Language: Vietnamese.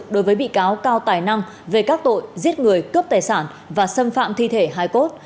đối với bị cáo cao tài năng về các tội giết người cướp tài sản và xâm phạm thi thể hai cốt